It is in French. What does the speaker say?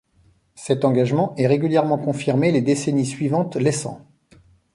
Cet engagement est régulièrement confirmé les décennies suivantes laissant.